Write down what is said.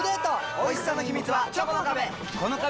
おいしさの秘密はチョコの壁！